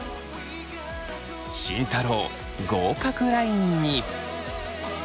慎太郎合格ラインに。